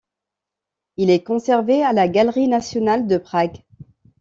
Il est conservé à la Galerie nationale de Prague.